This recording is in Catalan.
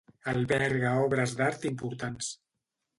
Alberga obres d'art importants.